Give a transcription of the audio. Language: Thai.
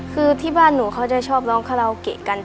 คือที่บ้านหนูเขาจะชอบร้องคาราโอเกะกัน